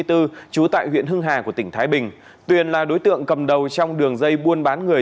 trú tại huyện hưng hà của tỉnh thái bình tuyền là đối tượng cầm đầu trong đường dây buôn bán người